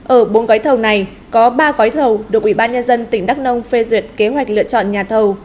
ở bốn gói thẩu này có ba gói thẩu được ủy ban nhân dân tỉnh đắk nông phê duyệt kế hoạch lựa chọn nhà thẩu